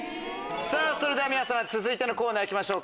それでは皆さん続いてのコーナー行きましょう。